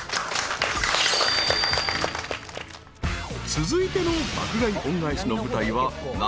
［続いての爆買い恩返しの舞台は長崎県］